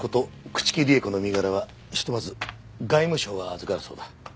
朽木里江子の身柄はひとまず外務省が預かるそうだ。